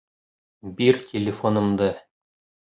Бир телефонымды!